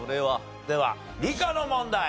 では理科の問題。